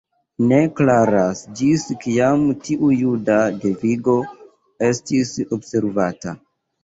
Ne klaras ĝis kiam tiu juda devigo estis observata.